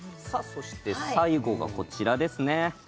そして最後がこちらですね